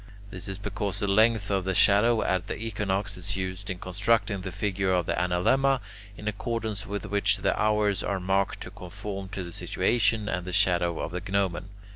This is because the length of the shadow at the equinox is used in constructing the figure of the analemma, in accordance with which the hours are marked to conform to the situation and the shadow of the gnomon.